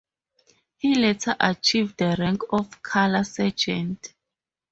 He later achieved the rank of Colour Sergeant.